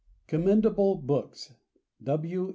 ] COMMENDABLE BOOKS. W.